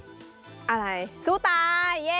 อะไรสู้ตายเย้